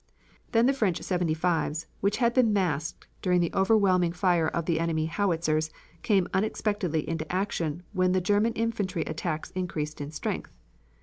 Then the French 75's which had been masked during the overwhelming fire of the enemy howitzers, came unexpectedly into action when the German infantry attacks increased in strength.